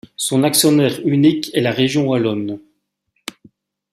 Son actionnaire unique est la Région wallonne.